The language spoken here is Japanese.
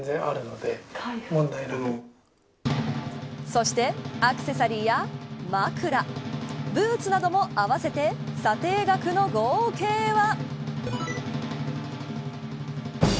そして、アクセサリーや枕ブーツなども合わせて査定額の合計は。